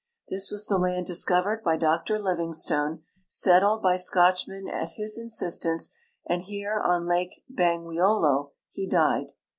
This was the land discovered by Dr Livingstone, set tled by Scotchmen at his instance, and here on lake Bangweolo he died.